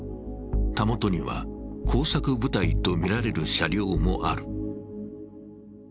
たもとには工作部隊とみられる車両もある。